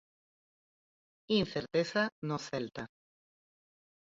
Incerteza no Celta.